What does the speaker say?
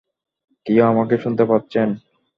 কেউ আমাকে শুনতে পাচ্ছেন?